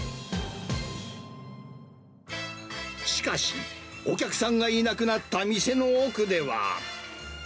しかし、お客さんがいなくなった店の奥では。